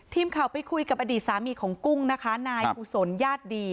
ทีมข่าวไปคุยกับอดีตสามีของกุ้งนะคะนายกุศลญาติดี